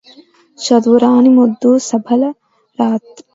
చదువురాని మొద్దు సభల రాణింపదు